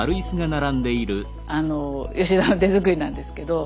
あの吉田の手作りなんですけど。